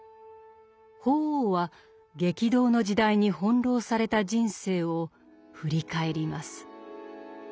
法皇は激動の時代に翻弄された人生を振り返ります。